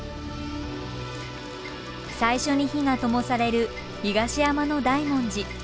最初に火がともされる東山の大文字。